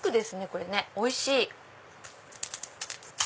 これねおいしい！